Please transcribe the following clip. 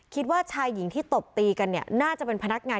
คิดว่าชายหญิงที่ตบตีกันเนี่ย